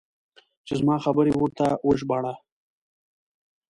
چې زما خبرې ورته وژباړه.